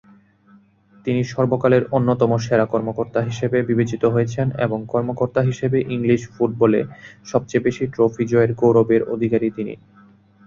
তিনি সর্বকালের অন্যতম সেরা কর্মকর্তা হিসাবে বিবেচিত হয়েছেন এবং কর্মকর্তা হিসেবে ইংলিশ ফুটবলে সবচেয়ে বেশি ট্রফি জয়ের গৌরবের অধিকারী তিনি।